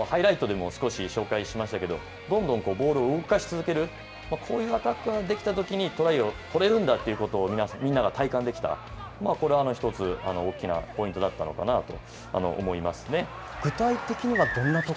収穫は、ハイライトでも少し紹介しましたけれども、どんどんボールを動かし続ける、こういうアタックができたときにトライを取れるんだということがみんなが体感できた、これ、１つ大きなポ具体的にはどんなところが。